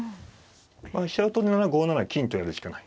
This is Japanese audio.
まあ飛車を取るなら５七金とやるしかない。